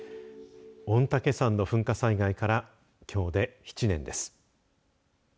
御嶽山の噴火災害からきょうで７年です。